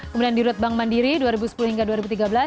kemudian di rut bank mandiri dua ribu sepuluh hingga dua ribu tiga belas